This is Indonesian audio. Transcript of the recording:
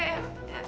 duduk dulu ya